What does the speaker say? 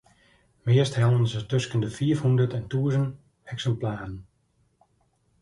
Meast hellen se tusken de fiifhûndert en tûzen eksimplaren.